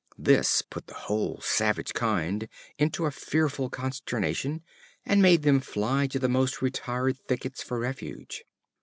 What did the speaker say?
This put the whole savage kind into a fearful consternation, and made them fly to the most retired thickets for refuge.